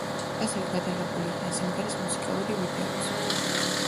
ასევე გადაღებული იქნა სიმღერის მუსიკალური ვიდეოც.